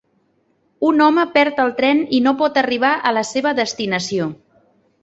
Un home perd el tren i no pot arribar a la seva destinació.